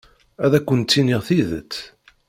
Ad akent-iniɣ tidet.